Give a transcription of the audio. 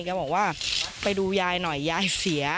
ก็บอกว่าไปดูยายหน่อยยายเสีย